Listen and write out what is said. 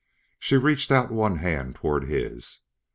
She reached out one hand toward his.